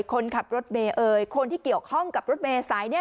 คนขับรถเมย์เอ่ยคนที่เกี่ยวข้องกับรถเมย์สายนี้